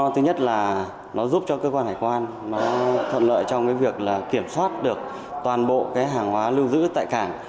thứ nhất là nó giúp cho cơ quan hải quan thuận lợi trong cái việc kiểm soát được toàn bộ cái hàng hóa lưu giữ tại cảng